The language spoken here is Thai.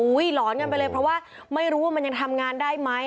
หลอนกันไปเลยเพราะว่าไม่รู้ว่ามันยังทำงานได้ไหม